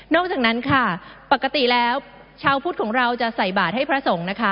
จากนั้นค่ะปกติแล้วชาวพุทธของเราจะใส่บาทให้พระสงฆ์นะคะ